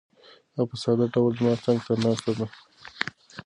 هغه په ساده ډول زما څنګ ته ناسته ده.